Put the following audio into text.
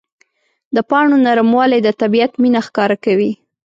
د پاڼو نرموالی د طبیعت مینه ښکاره کوي.